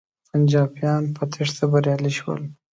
پنجابیان په تیښته بریالی شول.